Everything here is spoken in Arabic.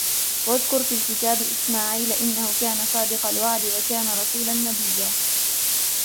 وَاذْكُرْ فِي الْكِتَابِ إِسْمَاعِيلَ إِنَّهُ كَانَ صَادِقَ الْوَعْدِ وَكَانَ رَسُولًا نَبِيًّا